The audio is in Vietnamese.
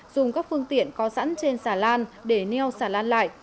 dùng các phương tiện có sẵn trên xà lan để neo xà lan lại